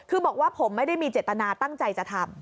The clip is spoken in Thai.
คือบอกว่าผมไม่ได้มีเจตนาตั้งใจจะทำ